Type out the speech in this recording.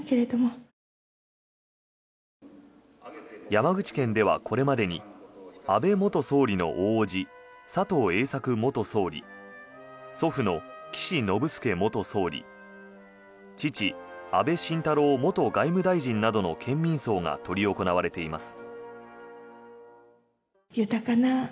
山口県では、これまでに安倍元総理の大叔父佐藤栄作元総理祖父の岸信介元総理父・安倍晋太郎元外務大臣などの県民葬が執り行われています。